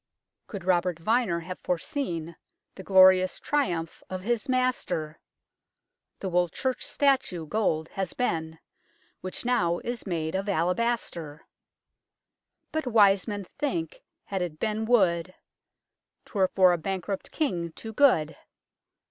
LONDON'S LOST KING 173 " Could Robert Vyner have foreseen The glorious triumph of his master, The Wool Church statue gold had been, Which now is made of alabaster. But wise men think had it been wood, Twere for a bankrupt King too good.